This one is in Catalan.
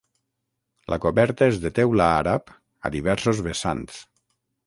La coberta és de teula àrab a diversos vessants.